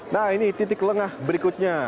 nah ini titik lengah berikutnya